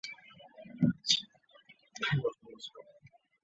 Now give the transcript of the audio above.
艾得尔是一个位于美国乔治亚州库克县的城市。